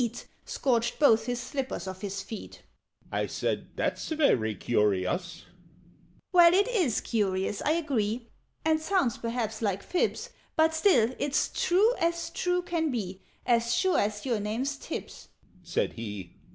_" [Illustration: "SCORCHED BOTH HIS SLIPPERS OFF HIS FEET"] "Well, it is curious, I agree, And sounds perhaps like fibs: But still it's true as true can be As sure as your name's Tibbs," said he.